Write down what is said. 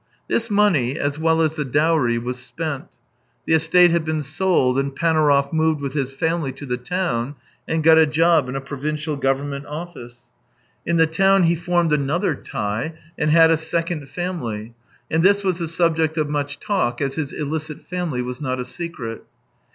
This money, as well as the dowry, was spent ; the estate had been sold and Panaurov moved with his family to the town and got a job in a provincial government office. THREE YEARS 185 In the town he formed another tie, and had a second family, and this was the subject of much talk, as his illicit family was not a secret.